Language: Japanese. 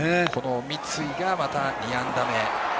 三井がまた２安打目。